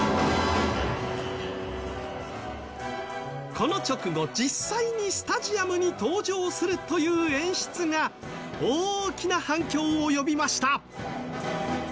この直後、実際にスタジアムに登場するという演出が大きな反響を呼びました。